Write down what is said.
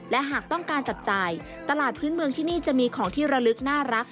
และหากต้องการจับจ่ายตลาดพื้นเมืองที่นี่จะมีของที่ระลึกน่ารัก